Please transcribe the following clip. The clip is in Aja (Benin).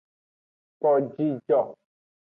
Kpo jijo.